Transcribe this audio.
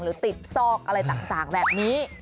หรือติดซอกอะไรต่างแบบนี้